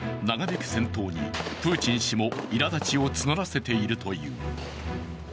長引く戦闘にプーチン氏もいらだちを募らせているという。